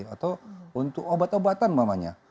atau untuk obat obatan mamanya